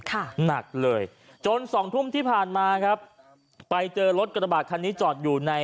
หนักเลยจนสองทุ่มที่ผ่านมาครับไปเจอรถกระบาดคันนี้จอดอยู่ใน